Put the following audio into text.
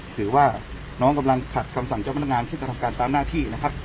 ถือว่าน้องกำลังขัดคำสั่งเจ้าพนักงานซึ่งกระทำการตามหน้าที่นะครับ